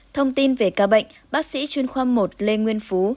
thông tin về ca bệnh bác sĩ chuyên khoa một lê nguyên phú